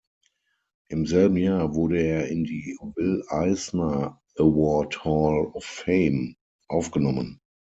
Im selben Jahr wurde er in die Will Eisner Award Hall of Fame aufgenommen.